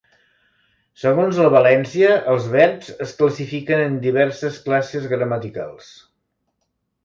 Segons la valència, els verbs es classifiquen en diverses classes gramaticals.